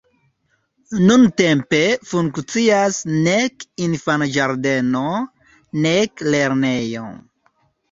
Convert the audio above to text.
Nuntempe funkcias nek infanĝardeno, nek lernejo.